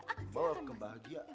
bawa ke bahagia